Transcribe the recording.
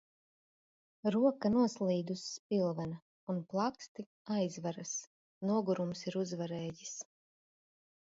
Roka noslīd uz spilvena un plaksti aizveras. Nogurums ir uzvarējis.